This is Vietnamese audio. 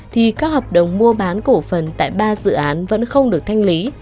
thì các hợp đồng mua bán cổ phần tại ba dự án vẫn không được thanh lý